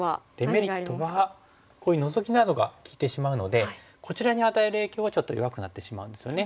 デメリットはここにノゾキなどが利いてしまうのでこちらに与える影響はちょっと弱くなってしまうんですよね。